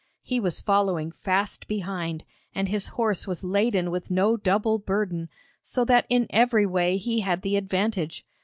He was following fast behind, and his horse was laden with no double burden, so that in every way he had the advantage.